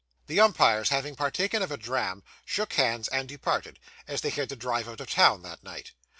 The umpires having partaken of a dram, shook hands and departed, as they had to drive out of town that night.